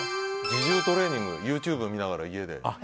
自重トレーニングＹｏｕＴｕｂｅ見ながら。